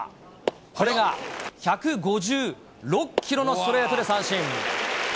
これが１５６キロのストレートで三振。